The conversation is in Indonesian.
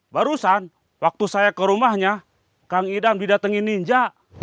barusan waktu saya ke rumahnya kang idam didatengin ninja